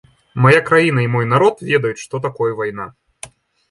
Мая краіна і мой народ ведаюць, што такое вайна.